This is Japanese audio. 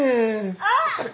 あっ！